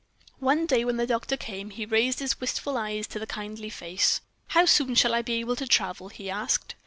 One day, when the doctor came, he raised his wistful eyes to the kindly face. "How soon shall I be able to travel?" he asked.